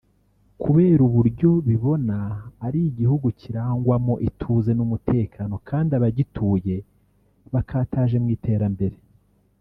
kubera uburyo bibona ari igihugu kirangwamo ituze n’umutekano kandi abagituye bakataje mu iterambere